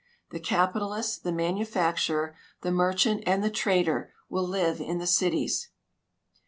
The capitalist, the manufacturer, the merchant, and the trader will liA'e in the cities.